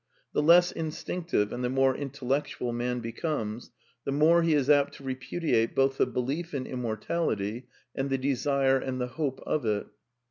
The less instinctive and the more intel lectual man becomes, the more he is apt to repudiate both the belief in immortality and the desire and the hope of it.